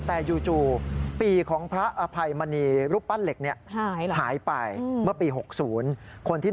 แต่จู่ปีของพระอภัยมณีรูปปั้นเหล็กนี้